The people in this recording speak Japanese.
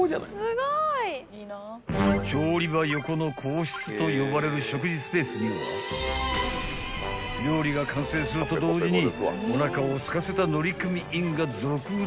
［調理場横の公室と呼ばれる食事スペースには料理が完成すると同時におなかをすかせた］